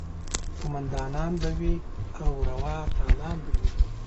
قوماندانان به وي او روا تالان به وي.